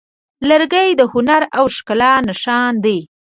لرګی د هنر او ښکلا نښان دی.